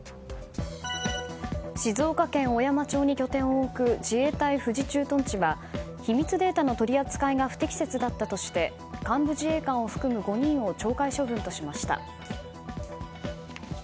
静岡県小山町に拠点を置く自衛隊富士駐屯地は秘密データの取り扱いが不適切だったとして幹部自衛官を含む５人を懲戒処分としました。